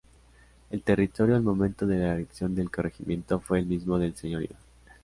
El territorio al momento de la erección del corregimiento fue el mismo del señorío.